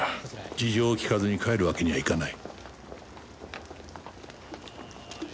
事情を聴かずに帰るわけにはいかない